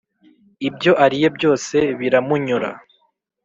ibyo ariye byose biramunyura.